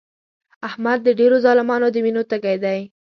احمد د ډېرو ظالمانو د وینو تږی دی.